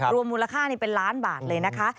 มูลค่านี่เป็นล้านบาทเลยนะคะ